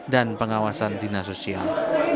dan pengawasan dina sosial